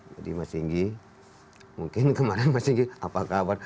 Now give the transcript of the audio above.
jadi mas ingyi mungkin kemarin mas ingyi apakah apa